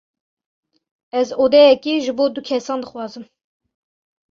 Ez odeyeke ji bo du kesan dixwazim.